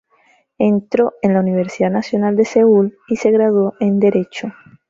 Entró en la Universidad Nacional de Seúl y se graduó en Derecho.